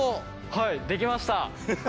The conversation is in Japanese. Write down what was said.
はいできました。